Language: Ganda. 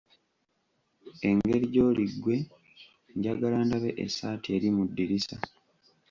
Engeri gyoli ggwe njagala ndabe essaati eri mu ddirisa.